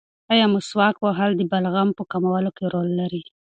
ایا مسواک وهل د بلغم په کمولو کې رول لري؟